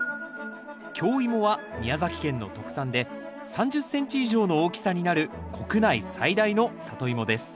京イモは宮崎県の特産で３０ｃｍ以上の大きさになる国内最大のサトイモです